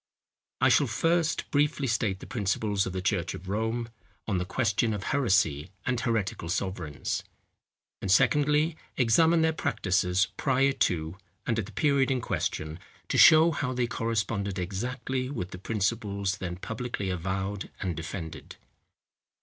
I shall first briefly state the principles of the church of Rome, on the question of heresy and heretical sovereigns; and secondly, examine their practices prior to, and at the period in question, to show how they corresponded exactly with the principles then publicly avowed and defended.